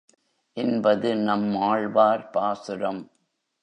என்பது நம்மாழ்வார் பாசுரம்.